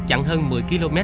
chẳng hơn một mươi km